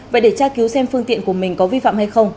vậy để tra cứu xem phương tiện của mình có vi phạm hay không